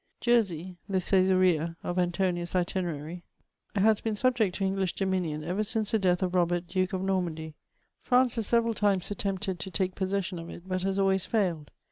Jersey, the Caesarea of Antoninus' Itinerary^ has been sulnect to ]u:iglish dominion ever since the dealli o£ Robert, Duke of Normam^; France has several limes attempted to take possession of it, but has always fisiled.